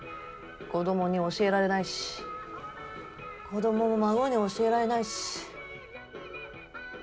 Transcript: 子供に教えられないし子供も孫に教えられないし。